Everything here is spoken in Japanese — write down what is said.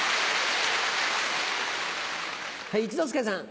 一之輔さん。